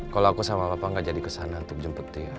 kalau aku sama papa gak jadi kesana untuk jempet dia